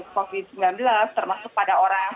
covid sembilan belas termasuk pada orang